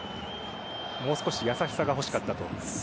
もう少し優しさが欲しかったと。